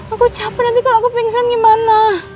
aku capek nanti kalau aku pingsan gimana